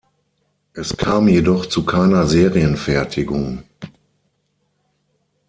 Es kam jedoch zu keiner Serienfertigung.